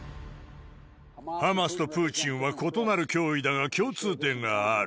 ハマスとプーチンは異なる脅威だが、共通点がある。